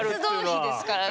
活動費ですからね。